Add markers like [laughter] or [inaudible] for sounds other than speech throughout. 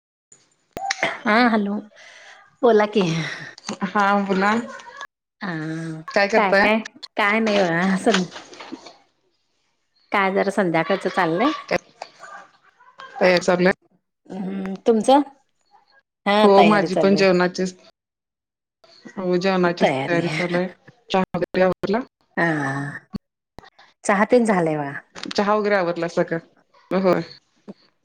[inaudible] हा हॅलो. बोला की. हा बोला. हा. काय काय काय नाही बघा. काय जरा संध्याकाळचं- चाललंय त्यात. काय चाललय? हमम्म तुमचं? हा हो तयारी माझी पण चालू आहे जेवणाचीच- हो जेवनाचीच तयारी चालूय. [unintelligible] हा. चहा तेन झालाय बघा चहा वगैरे आवरलासा का? होय.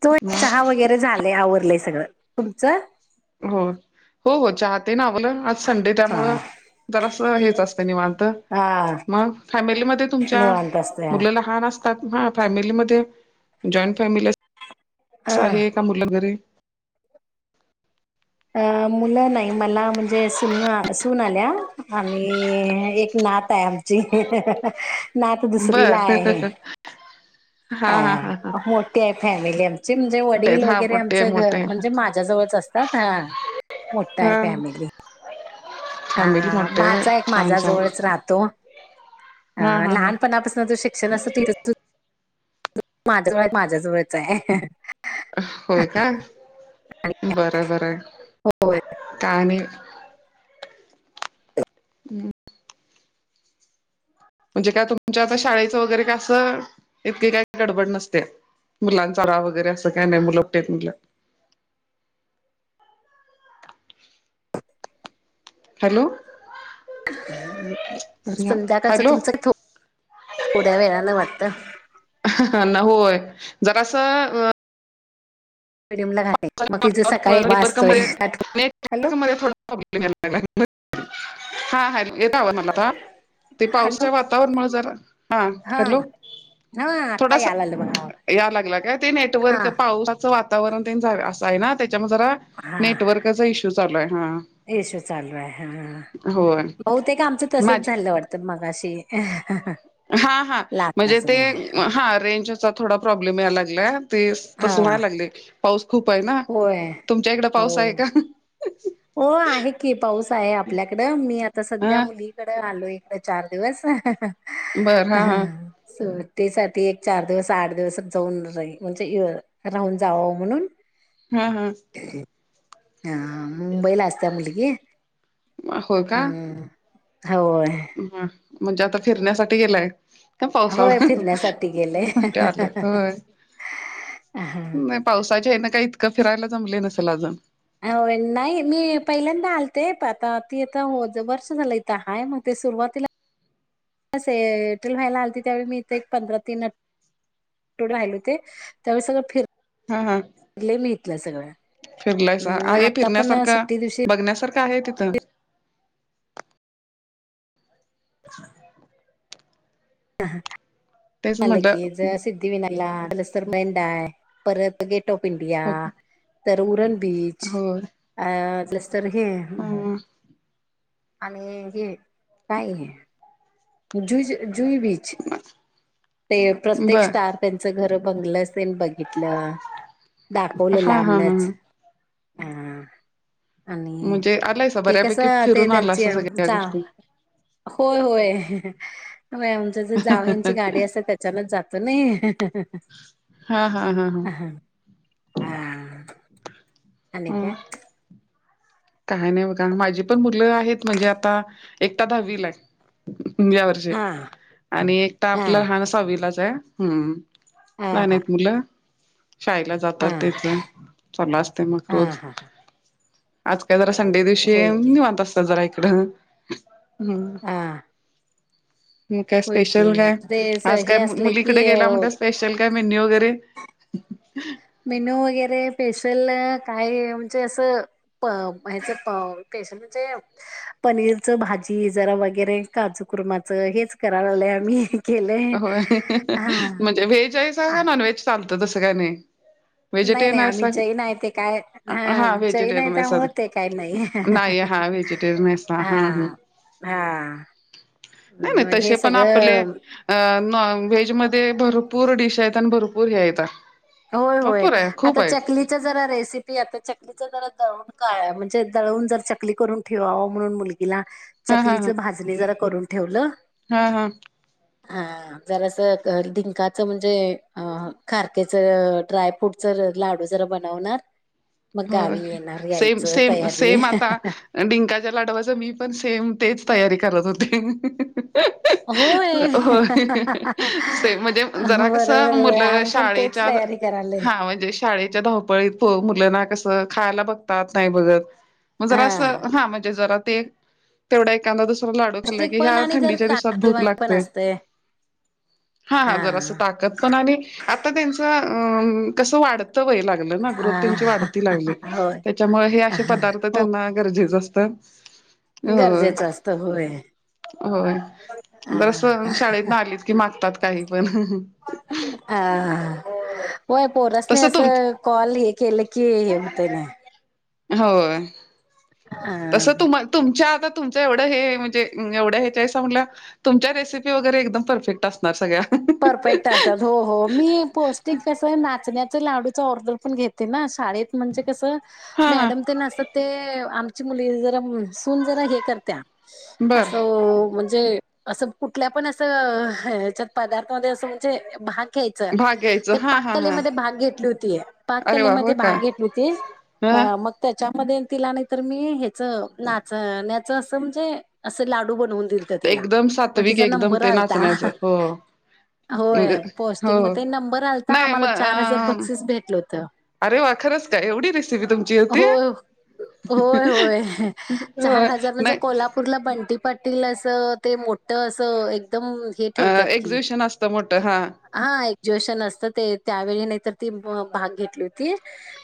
होय, चहा मग वगैरे झालेय आवरलंय सगळं. तुमचं? हो हो हो चहा ते ना? ब आज संडे हा त्यामुळ जरास हेच असतं निवांत. हा मग? फॅमिलीमध्ये तुमच्या निवांत असतय मुलं लहान असत- हा फॅमिलीमध्ये जॉईंट फॅमिलीच हा आहे का मुलं घरी - मुलं नाही मला, म्हणजे सून आल्या आणि एक- नात आहे आमची. नात दुसरीला बर आहे. हा हा हा हा आं मोठी आहे फॅमिली. म्हणजे मोठे आहेत वडील हा वगैरे मोठे आमचं घ मोठे म्हणजे माझ्याजवळच असतात. हां. मोठ्ठ आहे हा फॅमिली. फॅमिली हा. मोठे आहे होय भाचा एक छान माझ्या छान जवळच राहतो. अ हा हा हा लहानपणापासून तू शिक क्षण [unintelligible] माझ्या जवळच आहे. होय का? आणि बर बर आहे. काय आणि? हम्. म्हणजे काय तुमच्या आता शाळेचं वगैरे कासं इतके काय गडबड नसते मुलांचा रा वगैरे असं काही नाही मुल टेत मुलं हॅलो अरे संध्याकाळच हॅलो तुमचं थोड्या वेळाला वाटत होय जरा असं मिडियमला घालाय मग तिचं सकाळी ध्येॉ्ले डबा असतोय हॅलो [unintelligible] हा ह ते हॅलो पावसच्या वातावरणमुळे जरा हा हॅलो हा आता थोडासा यायला लागलं बघा यायला लागला का? ते नेटवर्क हा पावसाच वा- वातावरण असं आहे ना. त्याच्यामुळे जरा नेटवर्कचा इशू चालू आहे. हा. येशू चालू आहे हा. होय बहुतेक आमचं तसच माझे झालं वाटतं मग अशी- हा हा म्हणजे ते हा रेंजचा थोडा प्रॉब्लेम यायला लागलाय. ते तस हा, व्हायला लागलय पाऊस खूप आहे ना. होय तुमच्या इकड हो पाऊस आहे का? हो आहे की पाऊस आहे आपल्याकडं. मी आता सध्या ह मुलीकडे आलेय. डे चार दिवस बर हा हा ह. तेसाठी एक चार दिवस आठ दिवस जाऊन म्हणजे राहून जावं म्हणून- हम्म हम्म. हा मुंबईला असते्या मुलगी. होय का हम. होय. ह म्हणजे आता फिरण्यासाठी गेलाय? का पावसाळ होय फिरण्यासाठी गेले आलं होय हा. नाही पावसाच्या हे ना काही इतकं फिरायला जमले नसेल अजण अ नाही मी पहिल्यांदा आलते प आता ती आता वर्ष झालं इथ हाय मग सुरुवातीला एट्रिल व्हायला आल त्यावेळी मी इथ एक पंधरा तीन राहिल होते त्यावे सगळं फिर हा हा फिरलायच अम् आहे आता पण फिरण्यासारखा सुट्टी दिवशी बघण्यासारखा काय आहे तिथं [inaudible] तेच ह की म्हटलं ज सिद्ध विन मंा परत गेट ऑफ इंडिया हो तर उरण बीच हो अ पलस् तरर हे ह आणि हे काय आहे जु जुई बीच ते प्रत्येक बर स्टार त्यांच घर बंग बघितलं दाखवलं हा हा हा लांबनच हा आणि म्हणजे आलायसा हे कस बऱ्यापैकी ते फिरून आलासा त्यांची सगळ्या जा गोष्टी होय होय आमच जे जावंची गाडी असे त्याच्यानच जातो नाही हा हा हा हा अ का काही नाही कारण माझी पण मुलं आहेत म्हणजे आता एकट दहावी ला या वर्षी हा आणि एक तर हा आपलं लहानसावीलाच आहे हम् हा प नाही हा आहेत मुलं शाळेला जातात हा तेथ चला असते मग हा रोज हा का जरा संडे दिवशी होय की निवत असतात जरा इकड ह हा मग काय होय स्पेशल की नाही ते आज हे काय असले की मुलीकडे गेला म्हण स्पेशल काय मेनओ करे मेनू वगैरे स्पेशल काय म्हणजे असं हच पनीरच भाजी जरा वगैरे काजू कुरमाच हेच करायला लाले आम्ही केलंय हो म्हणजे व्हेज आहेयचा हा का नॉन व्हेज चालत तसं काय नाही नाही व्हेजिटेरियन नाही आम्ही आहे जैन ते काय हा जैन आहे व्हेजिटेरियन त्यामुळे ते काय नाही. नाही हा वेजिटेर म हा ह हा नाही नाही मग हे तसे पण आपले सगळं नॉन व्हेज मध्ये भरपूर डिश आहेत आणि भरपूर हे आहेतेत होय होय आता चकलीच जरा रेसिपी आता चकलीच जरा द का म्हणजे दळून जर चकली करून ठेवावं म्हणून मुलगीला हा हा हा चकलीचे भाजणी जरा करून ठेवलं हा हा हा जरा अस ढिंकाचं म्हणजे अ खारके ड्राय फ्रूट लाडू जरा बनवणार मग हो गावी येणार सेम यायचं सेम तयारी सेम आता डिंकाच्या लाडवाचं मी पण सेम तेच तयारी करत होते होय. हो ते म्हणजे जरा कस बरोबर आहे. मुलं आम्ही पण तेच शाळेच्या तयारी करायलोय. हा म्हणजे शाळेच्या धावपळीत मुलं ना ख ब ब हां. जण तेवढा एखादा दुसरा लाडू खाल्ला पौष्टिक की ह्या पण आणि जर थंडीच्या दिवसात भूक ताकदीवान पण लागते असतंय. हा हा जरा अस हां. ताकत पण आणि आता त्यांच अ कसं वाढतं वय लागलं ना ग्रोथ त्यांची हां. वाढत होय. त्याच्यामुळे हे असे पदार्थ हो. त्यांना गरजेच असत गरजेचं असत होय होय जर अस हां. शाळेत नाही आलीत की मागतात काही पण हा हा होय पोरसने तसं तुम असं कॉल हे केलं की हे होतय ना होय हां. तस तुम तुमच्या आता तुमच एवढं हे म्हणजे एवढ्या हेस म्हटल्या तुमच्या रेसिपी वगैरे एकदम परफेक्ट असणार सगळ्या परफेक्ट असतात हो लाडू ऑर्डर पण घेते ना शाळेत म्हणजे कस हा हा मॅडम ते नसत ते मुली जरा सून जरा हे करत्या बरं असं म्हणजे असं कुठल्या पण असं हच्यात पदार्थामध्ये असं म्हणजे भ घ्यायचं भाग घ्यायचं ते हा पाक हा हा कलेमध्ये भाग घेतलीं होती अरे पाकलें वा होय मध्ये का भांग घेतलीं होती ह हां मंग त्यांच्या मध्ये तिला नाहीं तरं मी हेच नाचण्यां नच असं म्हणजे असं लाडू बनवून दिलंत तिला एकदम मंग सात्विक तिच्या एकदम नंबर ते आलतां नाचण्याचं हो म्हणजे होय पोस्टिंग हो मध्ये नंबर आलता नाही आम्हांला चार हजार मग बक्सीस भेटलं होतं अरे वाखंरचं का एवढी रेसिपी तुमची होती होयं होयं चार होय हजार म्हंजे नाही कोल्हापूरला ब कंटी पाटीलील असं ते मोठं असं एकदंम हे ठेवतांत की एक्झिबिशन असतं मोठं हा हा एक्जुएशन असतं ते त्यावेळीं नाहीं तरं ती भांग घेतलीं हो तीला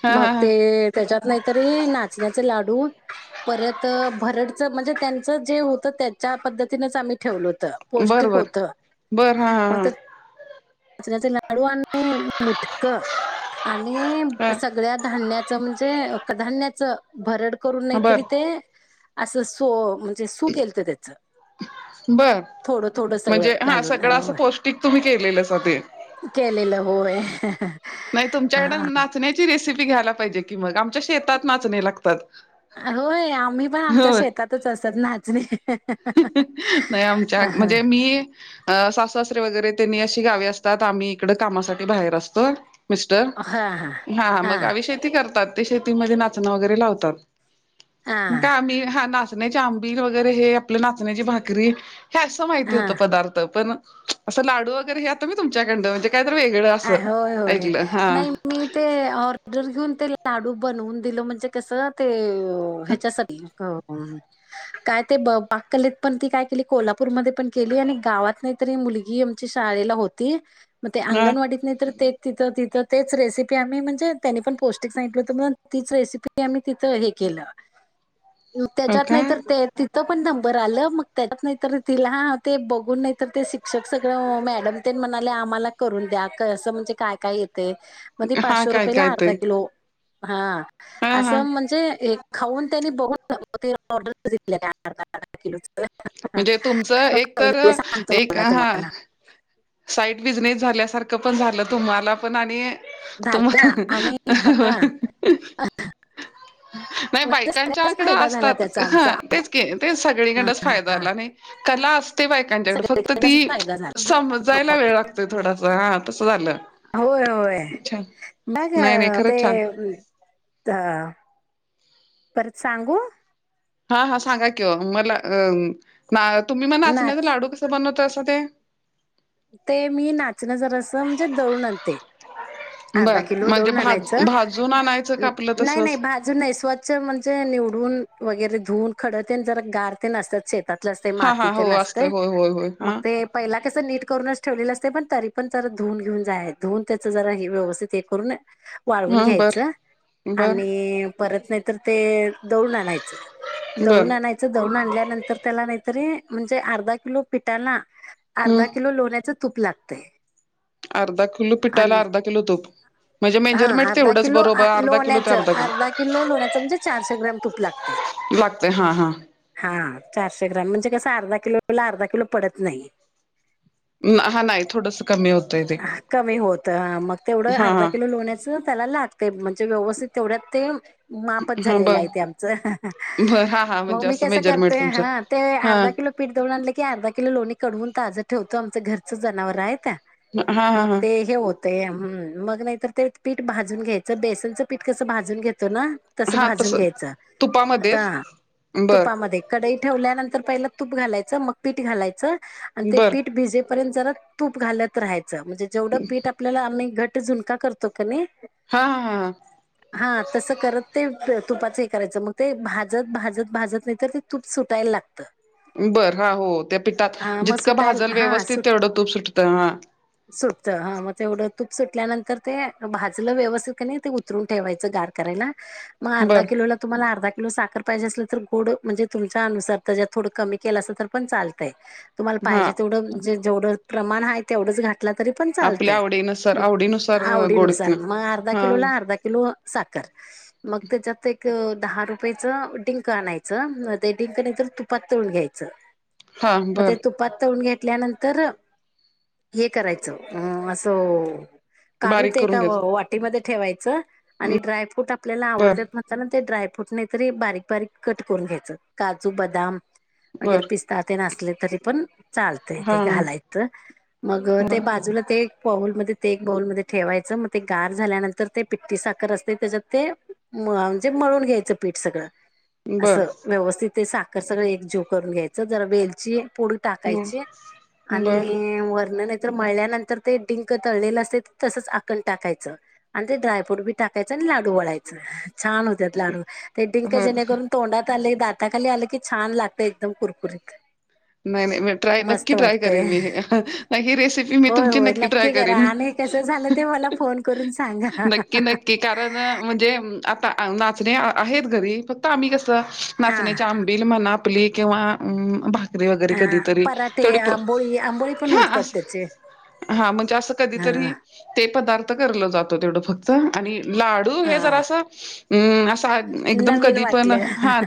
हा मंग हा हा ते त्यांच्यात नाहीतरी नांचण्यांचे ला लाडू परत भरडच म्हणजे त्यांचं जे होतं त्यांच्या पद्धतीनच आम्हीं ठेवलंय बर पौष्टिक बर होतं हा बर हा चण्यांचे लाडू आणि मुटक आणि हा ई सगळ्यांचं ध्याण्यांच म्हणंजे भर करूंन हा नाहीं तरी बर ते असं म्हणजे सुक केलं का त्याचं बर थोडं थोडं म्हणजे सगळं हा घालूनय सगळं असं पौष्टिक तुम्ही केलेलंच ते केलेलं होयं नाहीं तुमच्यांकड नाचण्यांची रेसिपी घ्यांयला पाहिजे की मंग आमच्या शेतात नाचणे लागतांत होय आम्हीं पणं आमच्या शेतातच असतं नाचणी नाहीं आमच्या ह म्हणजे हा मी अ सासूसारे वगैरे त्यांनीं अशी गावे असतांत आम्हीं इकड कामांसाठी बाहेर असतों मिस्टर हा मंग आ शेती करतांत ते शेतीमध्ये नाचणं वगैरे लावतात मंग का हा आम्हीं हा नाचण्यांचे आंबी वगैरे हे आपलं नाचण्यांची भाकरी हे असं माहिती होतं पदार्थ पणं असं लाडू वगैरे हे आता मी तुमच्याकडं म्हणजे काय तर वेगळं असं होय, होय, ऐकलं हा नाही मी ते ऑर्डर घेऊन ते लाडू बनवून दिलं, म्हणजे कस ते ह्याच्यासाठी काय ते ब बाक्कलीत पण ती काय केली, कोल्हापूरमध्ये पण केली, आणि गावात नाही तरी मुलगी आमचीं शाळेला होती, म ते हा अंगणवाडी नाही तर ते तिथं तिं तेच रेसिपी आम्ही, म्हणजे त्यांनी पण पौष्टिक सांगितलं होतं म्हणून, ती रेसिपी आम्ही तिथं हे केलं ह मंग त्यांच्यात नाहीं तरं ते तिथं पणं नंबर आलं मंग त्यांच्यात नाहीं तिला ते बघून नाहीं ते शिक्षक सगळं मॅडम आम्हा करूंन द्या [unintelligible] असं म्हणजे कायं कायं येते म्हण हा पाचशे काय रुपयेला काय ते अर्धा किलो हा हा हा असं म्हणजे खाऊंन त्यांनीं बघून ऑर्डर का अर्ध्या अर्ध्या किलो म्हणजे तुमचं एक तरं सांगतो एक बघा हा तुम्हाला साईड बिझनेस झाल्यांसारखं पणं झालं तुम्हांला पणं आणि तुम्हा झालं आणि हा [unintelligible] नाहीं म्हणजे बायकांच्या सगळ्याच कडं फायदा झाला असतांत त्याचा ह आमचा तेचं ते हा सगळीकडे फायदा हा त्यालां नाहीं काॅला असं ते बायकांच्याकडे फक्त ती सगळीकडेच फायदा झाला समं जांयला वेळ लागतोय थोडासा हा तसं झालं होयं होयं छान नाहीं नाही नाही ग ते खरंच छान ह परत सांगू हा हा सांगा किं मला तुम्हीं मंग नाचण्यांचा नाच लाडू कसं बनवतात कुठे? ते मी नाचणं जर असं, म्हणजे दळून आणते. अर्धा बर किलो म्हणजे दळून भाज आणायचं भाजून आणायचं का आपलं नाही, नाही, तसच भाजून नाही स्वच्छ म्हणजे निवडून वगैरे धुून खडते जर गार ते नसतात शेतातलं असते हा माती हा ते हो नसते असतंय होय होय होय मग हा ते पहिला कसं नीट करूनच ठेवलेलं असते पण तरी पण जरा धुन घेऊन जाय धुन त्याचं जरा हे व्यवस्थित हे करूनय वाळवून हा बर घ्यायचं बर आणि परत नाहीतर ते दडून आणायचं बर दळून आणायचं दळून आणल्यानंतर त्याला नाहीतरी म्हणजे अर्धा किलो पिठाला अर्धा हम्म किलो लोण्याचं तूप लागतय अर्धा किलो पिठायला अर्धा किलो तूप म्हणजे हा मेजरमेंट अर्धा तेवढंच किलो बरोबर अर्धा किलो ते लोहण्याचं अर्धा किलो लोहण्याचं म्हणजे चारशे ग्रॅम तूप लागतय लागते हा हा हा चारशे ग्राम म्हणजे कसं अर्धा किलो ला अर्धा किलो पडत नाही हा नाही थोडस कमी होत कमी होत मग तेवढं हा अर्धा हा किलो लोण्याचं त्याला लागते म्हणजे व्यवस्थित तेवढ्यात ते मापच हा झालेलं बर आहे ते आमचं बर हा हा मग म्हणजे मी असं कसं मेजरमेंट करते तुमचं हा ते हा अर्धा किलो पीठ दवळून आणलं की अर्धा किलो लोणी कढवून ताजं ठेवतो आमचं घरच जनावर आहे त्या हा हा मग हा ते हे होत ते मग नाहीतर ते पीठ भाजून घ्यायचं बेसनचं पीठ कस भाजून घेत त ना तस भाजून घ्यायच तुपामध्येच आता बर तुपामध्ये कडई ठेवल्यानंतर पहिलं तूप घालायचं मग पीठ घालायचं आणि ते बर पीठ भिजे पर्यंत जरा तूप घालत राहायचं म्हणजे जेवढं पीठ आपल्याला अ घट झुणका करतो का नाही हा हा हा हा तस करत ते तुपाचं हे करायचं मग ते भाजत भाजत भाजत नाही तर ते तूप सुटायला लागतं बर हा हो त्या पिठात हा मग जितकं सुटायला भाजल व्यवस्थित तेवढं तूप सुटतं हा सुटत हा मग तेवढ तूप सुटल्यानंतर ते भाजलं व्यवस्थित क नाही ते उतरून ठेवायचं गार करायला मग अर्धा बर किलोला तुम्हाला अर्धा किलो साखर पाहिजे अस गोड म्हणजे तुमच्या अनुसार तर थोडं कमी केलं अस तर पण चालतय तुम्हाला हा पाहिजे तेवढं जे जेवढं प्रमाण आहे तेवढंच घाला तरी पण चाल आपल्या आवडीनुसार मग आवडीनुसार गोड आवडीनुसार मग अर्धा हा किलो अर्धा किलो साखर मग त्याच्यात एक दहा रुपयाच ड डिंक आनायच ते तुपात तळून घ्यायच हा मग ते बर तुपात तळून घ्या घेतल्यानंतर हे करायचं अ असं काढून बारीक ते करून एका घ्यायच वाटीमध्ये ठेवायचं आणि ड्रायफ्रूट आप आपल्याला बर आवडतात म्हणताना ते ड्रायफ्रूट तरी बारीक बारीक कट करून घ्यायचं काजू बदाम वगैरे बर पिस्ता ते नासले तरी पण चालतय हा ते हा घालायचं मग ते बर बाजूला ते पाऊलमध्येध्ये ते एक बाऊलमध्येध्ये ठेवायचं मग ते गार झाल्यानंतर ते पिट्टी साखर असते त्याच्यात ते म म्हणजे मळून घ्यायचं पीठ सगळं बर असं व्यवस्थित ते साखर सगळं एकजीव करून घ्यायचं जर वेलची पुड हम् टाकायचे बर आणि वर्ण मळल्यानंतर ते डिंक तळलेलं असते तसच आकण टाकायचं आणि ते ड्रायफ्रूट बी टाकायचं लाडू वळायच छान होत लाडू ते डंक ह जेणेकरून दात आले दाताखाली आलं की छान लागतं एकदम कुरकुरीत नाही नाही मी ट्राय मस्त नक्की ट्राय वाटतय करेन मी ही रेसिपी मी होय तुमची होय नक्की ट्राय करा करेन आणि कसं झालं मी ते मला फोन करून सांगा. नक्की नक्की कारण म्हणजे नाचणे आहेत घरी फक्त आम्ही कस हा नाचण्याच्या आंबील मनात आपली किंवा वगैरे कधी हा तरी पराठे तेडी आंबोळी आंबोळी पण उडतात त्याचे हा म्हणजे असं हा कधीतरी ते पदार्थ फक्त जातो तेवढ फक्त लाडू हा हे जरास एकदम नवीन कधी पण वाटलं. हा